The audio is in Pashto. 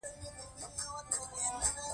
په خبرو کې صفت او قید کارول ډېرکم کړئ.